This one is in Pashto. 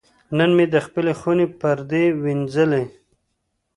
نن مې د خپلې خونې پردې وینځلې.